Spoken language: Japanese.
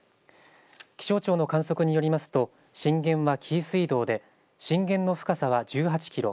気象庁の観測によりますと震源は、紀伊水道で震源の深さは１８キロ。